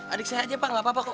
adik saya aja pak gak apa apa kok